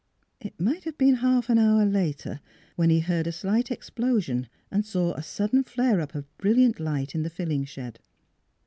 ... It might have been half an hour later when he heard a slight explosion and saw a sudden flare up of brilliant light in the filling shed.